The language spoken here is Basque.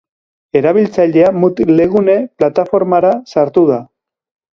Erabiltzailea Moodlegune plataformara sartu da.